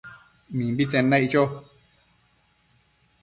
Mimbitsen naic cho